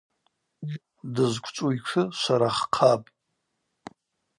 Дызквчӏву йтшы швараххъапӏ.